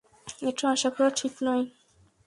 এটা আশা করা ঠিক নয়।